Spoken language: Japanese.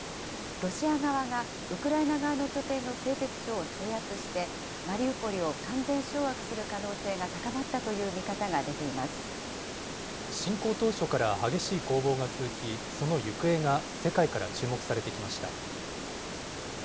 ロシア側がウクライナ側の拠点の製鉄所を制圧して、マリウポリを完全掌握する可能性が高まったという見方が出ていま侵攻当初から激しい攻防が続き、その行方が世界から注目されてきました。